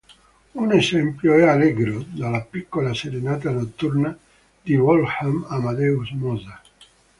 Un esempio è "Allegro" dalla "Piccola serenata notturna" di Wolfgang Amadeus Mozart.